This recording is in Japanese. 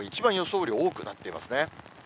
雨量、一番多くなっていますね。